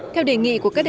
theo đề nghị của các cơ khí